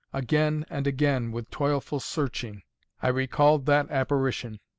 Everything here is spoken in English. Again and again, with toilful searching, I recalled that apparition.